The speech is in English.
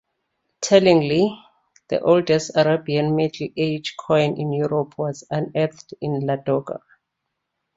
Tellingly, the oldest Arabian Middle Age coin in Europe was unearthed in Ladoga.